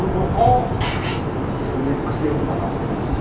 たぶん２ＸＬとかはなさそうですね。